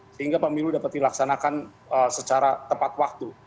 sehingga pemilu dapat dilaksanakan secara tepat waktu